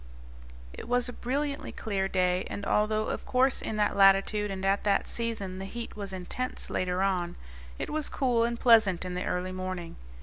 It was a brilliantly clear day, and, although of course in that latitude and at that season the heat was intense later on, it was cool and pleasant in the early morning.